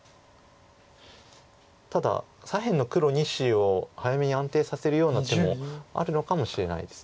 ただ左辺の黒２子を早めに安定させるような手もあるのかもしれないです。